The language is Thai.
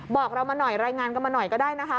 บอกเรามาหน่อยรายงานกันมาหน่อยก็ได้นะคะ